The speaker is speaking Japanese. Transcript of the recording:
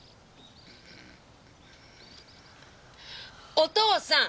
お父さん！